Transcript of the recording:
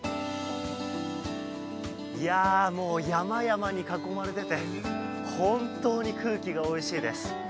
山々に囲まれていて本当に空気がおいしいです。